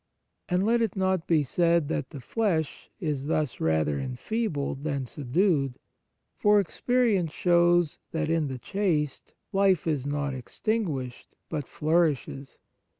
And let it not be said that the flesh is thus rather enfeebled than sub dued, for experience shows that, 127 On Piety in the chaste, life is not extinguished, but flourishes.